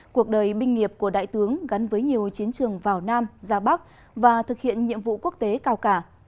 cuộc đời binh nghiệp của đại tướng gắn với nhiều chiến trường vào nam ra bắc và thực hiện nhiệm vụ quốc tế cao cả